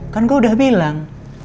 kan gue udah bilang